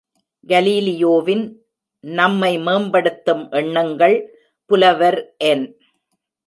கலீலியோவின் நம்மை மேம்படுத்தும் எண்ணங்கள் புலவர் என்.